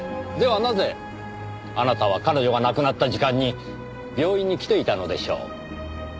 ではなぜあなたは彼女が亡くなった時間に病院に来ていたのでしょう？